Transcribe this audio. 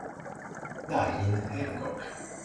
Darrin Hancock